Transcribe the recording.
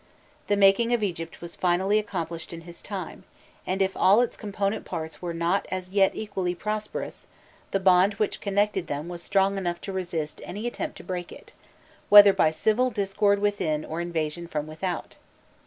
The making of Egypt was finally accomplished in his time, and if all its component parts were not as yet equally prosperous, the bond which connected them was strong enough to resist any attempt to break it, whether by civil discord within or invasions from without.